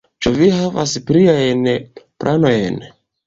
Ĉu vi havas pliajn planojn?